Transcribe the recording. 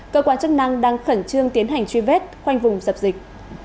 cơ quan chức năng đang khẩn trương tiến hành truy vết khoanh vùng dập dịch